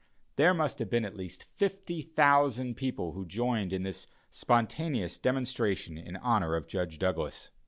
There must have been at least fifty thousand people who joined in this spontaneous demonstration in honor of Judge Douglas.